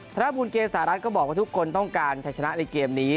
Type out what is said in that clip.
ธนบุญเกษารัฐก็บอกว่าทุกคนต้องการใช้ชนะในเกมนี้